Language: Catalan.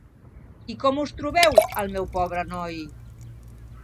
I com us trobeu, el meu pobre noi?